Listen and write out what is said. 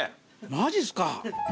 マジですか？